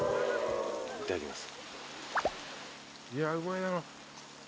いただきます